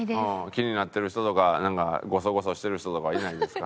気になってる人とかゴソゴソしてる人とかはいないですか？